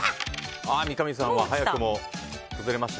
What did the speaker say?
三上さんは早くも崩れました。